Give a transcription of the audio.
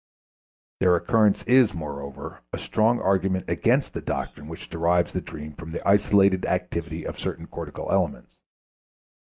Their occurrence is, moreover, a strong argument against the doctrine which derives the dream from the isolated activity of certain cortical elements.